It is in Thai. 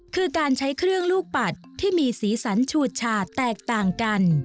คือการใช้เครื่องลูกปัดที่มีสีสันชูชาแตกต่างกัน